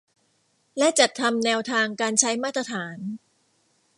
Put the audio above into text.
และจัดทำแนวทางการใช้มาตรฐาน